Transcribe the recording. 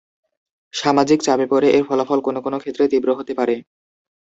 সামাজিক চাপে পড়ে এর ফলাফল কোন কোন ক্ষেত্রে তীব্র হতে পারে।